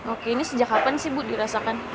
oke ini sejak kapan sih bu dirasakan